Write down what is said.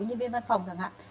như viên văn phòng thẳng hạn